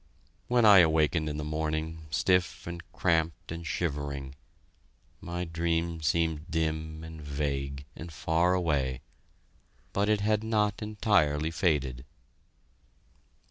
When I awakened in the morning, stiff and cramped and shivering, my dream seemed dim and vague and far away but it had not entirely faded.